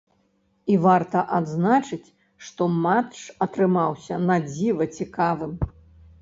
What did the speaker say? І варта адзначыць, што матч атрымаўся надзіва цікавым.